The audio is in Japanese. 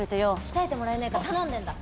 鍛えてもらえねえか頼んでんだ。